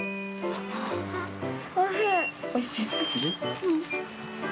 おいしい！